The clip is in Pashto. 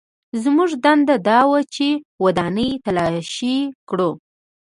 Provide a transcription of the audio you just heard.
زموږ دنده دا وه چې ودانۍ تلاشي کړو